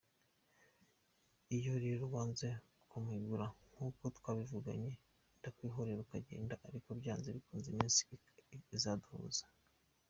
Iyo rero wanze kumpigura nk’uko twabivuganye, ndakwihorera ukagenda, ariko byanze bikunze iminsi izaduhuza.